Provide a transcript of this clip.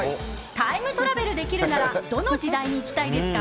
タイムトラベルできるならどの時代に行きたいですか？